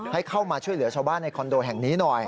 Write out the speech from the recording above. ให้เข้ามาช่วยเหลือชาวบ้านในคอนโดแห่งนี้หน่อย